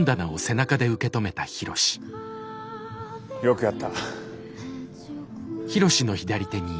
よくやった。